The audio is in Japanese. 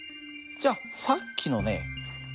じゃあさっきのね